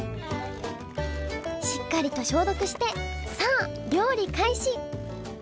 しっかりと消毒してさあ料理開始！